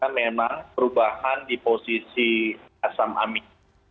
memang perubahan di posisi asam amir